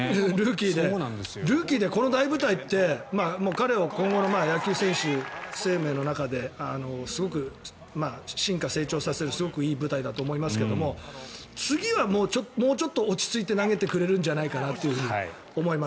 ルーキーでこの大舞台って彼は今後、野球生命の中ですごく進化、成長させるいい舞台だと思いますけれども次はもうちょっと落ち着いて投げてくれるんじゃないかなと思います。